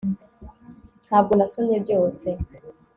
ntabwo nasomye byose